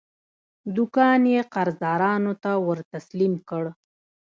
دوکان یې قرضدارانو ته ورتسلیم کړ.